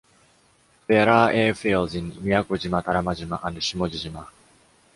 There are airfields in Miyako-jima, Tarama-shima and Shimoji-jima.